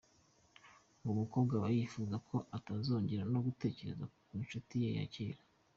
Ngo umukobwa aba yifuza ko utazongera no gutekereza ku ncuti yawe ya kera.